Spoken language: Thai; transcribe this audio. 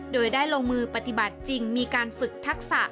โดยได้ลงมือปฏิบัติจริงมีการฝึกทักษะ